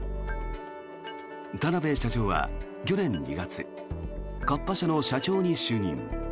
田邊社長は去年２月カッパ社の社長に就任。